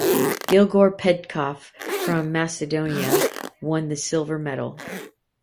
Gligor Petkov from Macedonia won the silver medal.